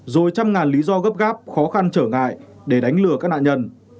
rồi trăm ngàn lý do gấp gáp khó khăn trở ngại để đánh lừa các nạn nhân